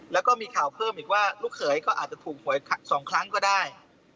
แล้วก็มีข่าวเพิ่มอีกว่าลูกเขยก็อาจจะถูกหวย๒ครั้งก็ได้